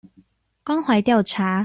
關懷調查